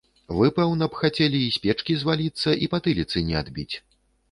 Вы, пэўна б, хацелі і з печкі зваліцца і патыліцы не адбіць?